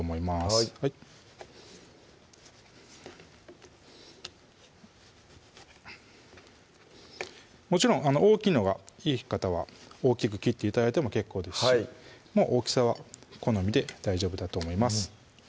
はいもちろん大きいのがいい方は大きく切って頂いても結構ですし大きさは好みで大丈夫だと思います